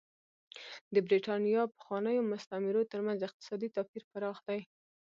د برېټانیا پخوانیو مستعمرو ترمنځ اقتصادي توپیر پراخ دی.